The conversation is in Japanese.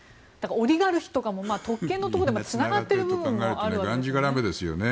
オリガルヒとかも特権のところでつながっている部分はあるんですよね。